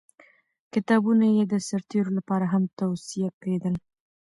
کتابونه یې د سرتېرو لپاره هم توصیه کېدل.